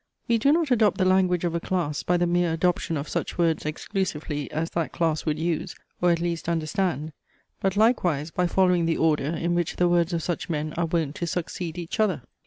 We do not adopt the language of a class by the mere adoption of such words exclusively, as that class would use, or at least understand; but likewise by following the order, in which the words of such men are wont to succeed each other.